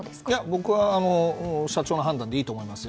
僕は社長の判断でいいと思います。